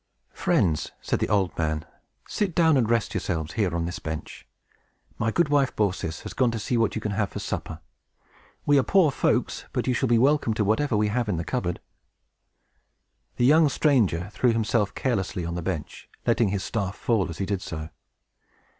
"Friends," said the old man, "sit down and rest yourselves here on this bench. My good wife Baucis has gone to see what you can have for supper. We are poor folks; but you shall be welcome to whatever we have in the cupboard." The younger stranger threw himself carelessly on the bench, letting his staff fall, as he did so.